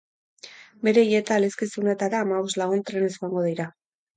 Bere hileta-elizkizunetara hamabost lagun trenez joango dira.